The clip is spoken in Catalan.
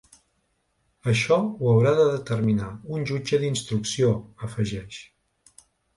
Això ho haurà de determinar un jutge d’instrucció, afegeix.